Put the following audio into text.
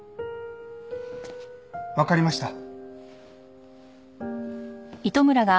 わかりました。